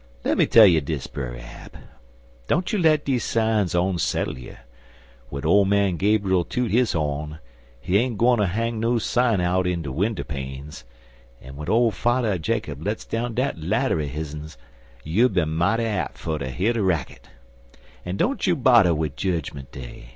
Lemme tell you dis, Brer Ab: don't you let deze sines onsettle you. W'en old man Gabrile toot his ho'n, he ain't gwineter hang no sine out in de winder panes, an when ole Fadder Jacob lets down dat lather er his'n you'll be mighty ap' fer ter hear de racket. An' don't you bodder wid jedgment day.